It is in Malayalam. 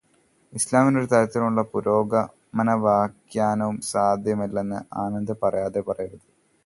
ഇസ്ലാമിന് ഒരു തരത്തിലുമുള്ള പുരോഗമനവ്യാഖ്യാനവും സാധ്യമല്ലെന്നാണു ആനന്ദ് പറയാതെ പറയുന്നത്.